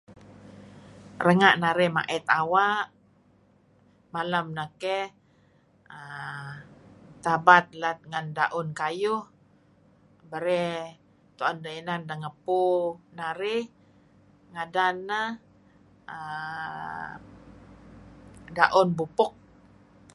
Renga' narih ma'it awa' malem neh keh err tabat let ngan da'un kayuh berey tu'en inan neh ngebpu narih. Ngadan neh err da'un bubpuk .